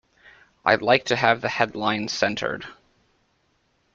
I'd like to have the headline centred.